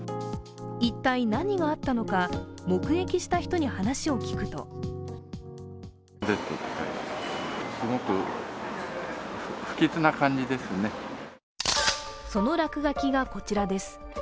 一体、何があったのか、目撃した人に話を聞くとその落書きがこちらです。